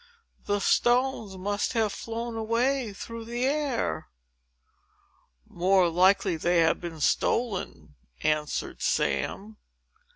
The stones must have flown away through the air!" "More likely they have been stolen!" answered Sam.